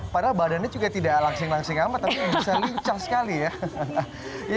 padahal badannya juga tidak langsing langsing amat tapi bisa lincah sekali ya